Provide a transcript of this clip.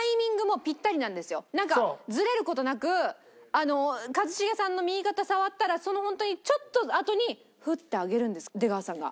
なんかずれる事なくあの一茂さんの右肩触ったらその本当にちょっとあとにフッて上げるんです出川さんが。